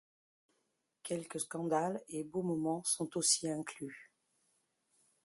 Quelques scandales, et beaux moments sont aussi inclus.